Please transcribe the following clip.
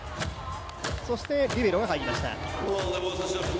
そしてリベロが入りました。